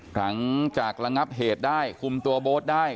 หลังจากระงับเหตุได้คุมตัวโบ๊ทได้